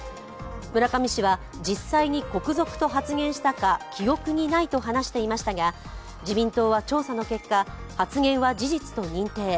村上氏は、実際に国賊と発言したか記憶にないと話していましたが、自民党は調査の結果、発言は事実と認定。